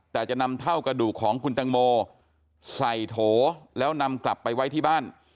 แต่จะนำเท่ากระดูกของคุณตังโมใส่โถแล้วนำกลับไปไว้ที่บ้าน